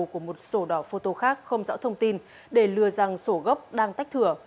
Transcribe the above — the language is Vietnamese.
của một sổ đỏ phô tô khác không rõ thông tin để lừa rằng sổ gốc đang tách thừa